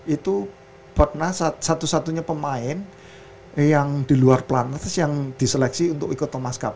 itu satu satunya pemain yang di luar pelatnas yang diseleksi untuk ikut thomas cup